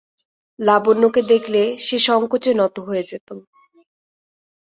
লাবণ্যকে দেখলে সে সংকোচে নত হয়ে যেত।